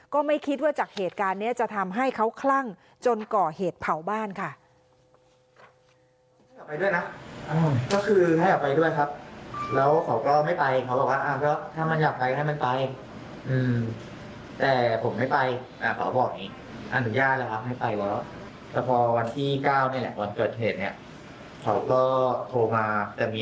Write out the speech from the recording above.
ก็ไม่คิดว่าจากเหตุการณ์นี้จะทำให้เขาคลั่งจนก่อเหตุเผาบ้านค่ะ